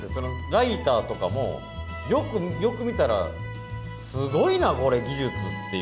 ライターとかも、よく見たら、すごいな、これ、技術って。